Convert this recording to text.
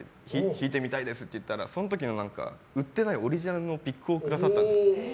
弾いてみたいですって言ったらその時、売ってないオリジナルのピックをくださったんですよ。